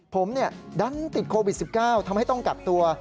ผมดันติดโควิด๑๙ทำให้ต้องกักตัว